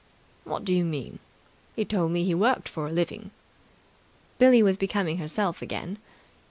"What do you mean? He told me he worked for a living." Billie was becoming herself again.